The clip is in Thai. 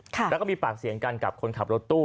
แล้วก็มีปากเสียงกันกับคนขับรถตู้